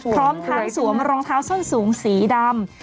พร้อมทั้งสวมรองเท้าส้นสูงสีดำ